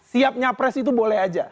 siap nyapres itu boleh aja